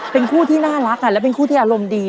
เป็นคู่ที่น่ารักและเป็นคู่ที่อารมณ์ดี